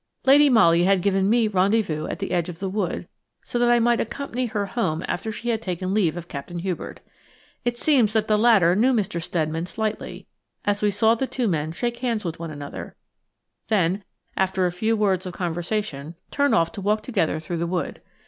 Lady Molly had given me rendezvous at the edge of the wood, so that I might accompany her home after she had taken leave of Captain Hubert. It seems that the latter knew Mr. Steadman slightly, as we saw the two men shake hands with one another, then, after a few words of conversation, turn off to walk together through the wood.